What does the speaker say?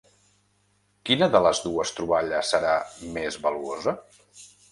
Quina de les dues troballes serà més valuosa?